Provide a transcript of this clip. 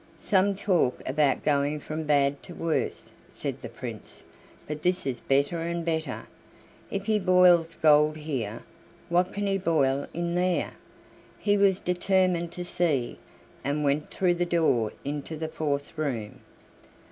"Some talk about going from bad to worse," said the Prince; "but this is better and better. If he boils gold here, what can he boil in there?" He was determined to see, and went through the door into the fourth room.